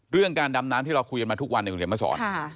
การดำน้ำที่เราคุยกันมาทุกวันเนี่ยคุณเขียนมาสอน